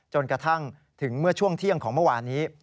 จนกระทั่งถึงเมื่อช่วงเที่ยงของเมื่อวานนี้